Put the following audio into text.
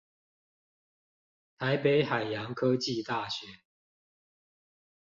台北海洋科技大學